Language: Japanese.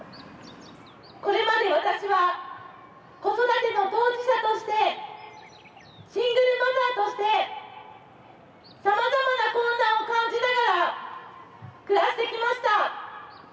これまで私は子育ての当事者としてシングルマザーとしてさまざまな困難を感じながら暮らしてきました。